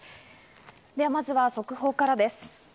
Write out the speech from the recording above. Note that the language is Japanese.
まずは速報からです。